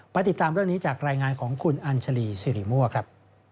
ติดตามเรื่องนี้จากรายงานของคุณอัญชาลีสิริมั่วครับ